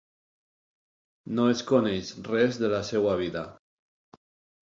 No es coneix res de la seva vida.